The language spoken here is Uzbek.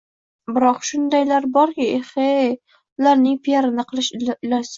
Biroq shundaylari borki, eheyeye, ularning piarini qilish ilojsiz.